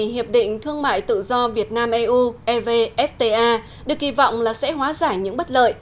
hiệp định thương mại tự do việt nam eu được kỳ vọng sẽ hóa giải những bất lợi